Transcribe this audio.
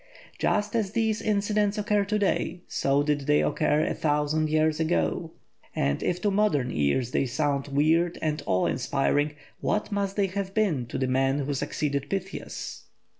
Just as these incidents occur to day, so did they occur a thousand years ago; and if to modern ears they sound weird and awe inspiring, what must they have been to the men who succeeded Pytheas?